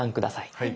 はい。